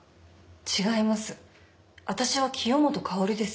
違います。